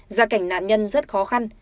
gia cảnh nạn nhân rất khó khăn